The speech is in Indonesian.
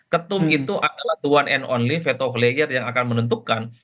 ketum itu adalah one and only veto player yang akan menentukan